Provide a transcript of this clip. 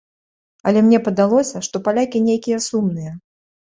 Але мне падалося, што палякі нейкія сумныя.